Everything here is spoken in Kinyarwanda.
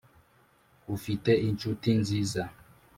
ufite inshuti nziza